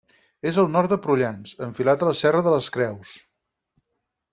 És al nord de Prullans, enfilat a la Serra de les Creus.